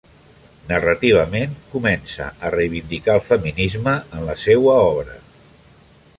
Narrativament, comença a reivindicar el feminisme en la seua obra.